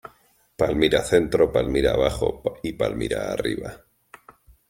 Palmira Centro, Palmira Abajo y Palmira Arriba.